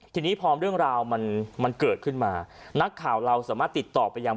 ทีนี้พอเรื่องราวมันเกิดขึ้นมานักข่าวเราสามารถติดต่อไปยัง